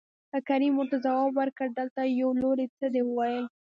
کريم ورته ځواب ورکړ دلته يم لورې څه دې وويل.